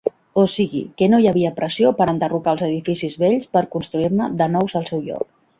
O sigui que no hi havia pressió per enderrocar els edificis vells per construir-ne de nous al seu lloc.